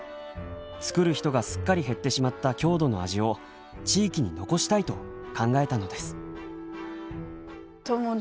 作る人がすっかり減ってしまった郷土の味を地域に残したいと考えたのです。